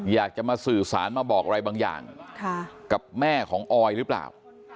อยากจะมาสื่อสารมาบอกอะไรบางอย่างกับแม่ของออยหรือเปล่า